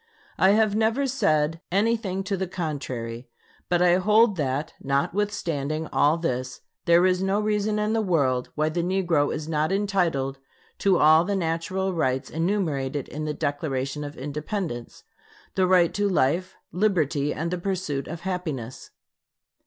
I have never said anything to the contrary, but I hold that notwithstanding all this there is no reason in the world why the negro is not entitled to all the natural rights enumerated in the Declaration of Independence the right to life, liberty, and the pursuit of happiness.